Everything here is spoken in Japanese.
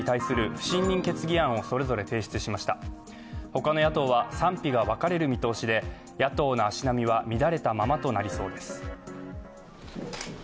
他の野党は賛否が分かれる見通しで、野党の足並みは乱れたままとなりそうです。